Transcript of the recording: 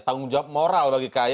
tanggung jawab moral bagi k y